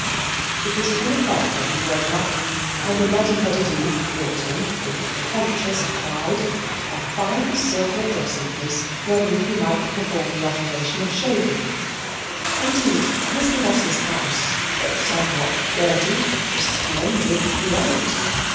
It was ten o'clock when he woke up, and the ruddy headed youth brought him, with conscious pride, a fine silver dressing case, wherewith he might perform the operation of shaving. Indeed Mr. Moss's house, though somewhat dirty, was splendid throughout.